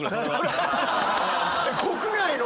国内の⁉